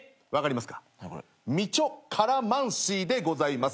美酢カラマンシーでございます。